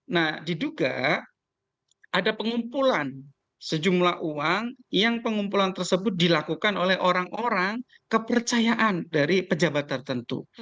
nah diduga ada pengumpulan sejumlah uang yang pengumpulan tersebut dilakukan oleh orang orang kepercayaan dari pejabat tertentu